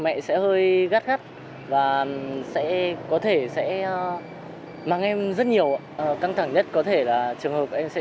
mẹ sẽ hơi gắt và sẽ có thể sẽ mang em rất nhiều căng thẳng nhất có thể là trường hợp các em sẽ